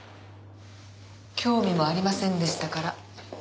興味もありませんでしたから。